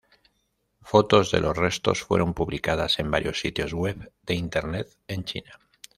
Fotos de los restos fueron publicadas en varios sitios web de Internet en China.